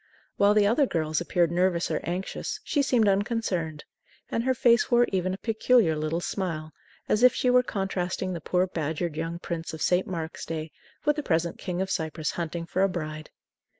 While the other girls appeared nervous or anxious, she seemed unconcerned, and her face wore even a peculiar little smile, as if she were contrasting the poor badgered young prince of St. Mark's Day with the present King of Cyprus hunting for a bride.